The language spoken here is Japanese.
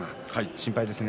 心配です。